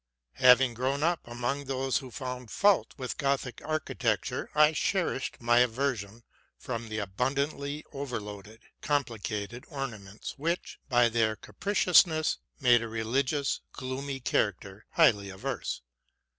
Having grown up among those who found fault with Gothic architecture, I cherished my aversion from the abundantly overloaded, complicated ornaments which, by their capricious ness, made a religious, gloomy character highly adverse.